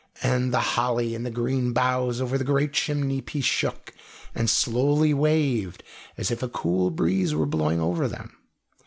And the holly and the green boughs over the great chimney piece shook and slowly waved as if a cool breeze were blowing over them.